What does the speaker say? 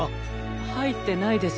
はいってないです。